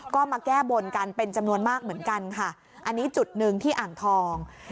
ก็มาแก้บนกันเป็นจำนวนมากเหมือนกันค่ะอันนี้จุดหนึ่งที่อ่างทอง